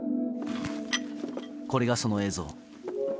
これが、その映像。